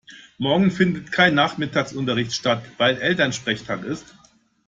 Morgen findet kein Nachmittagsunterricht statt, weil Elternsprechtag ist.